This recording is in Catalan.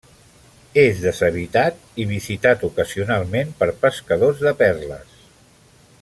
És deshabitat i visitat ocasionalment per pescadors de perles.